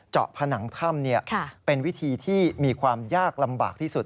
ผนังถ้ำเป็นวิธีที่มีความยากลำบากที่สุด